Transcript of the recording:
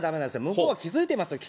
向こうは気づいてますよ